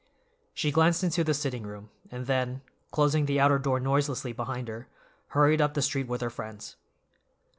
She glanced into the sitting room, and then, closing the outer door noiselessly behind her, hurried up the street with her friends.